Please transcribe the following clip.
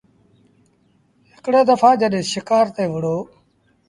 هڪڙي دڦآ جڏهيݩ شڪآر تي وهُڙو ۔